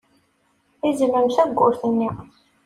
Izemmem tawwurt-nni.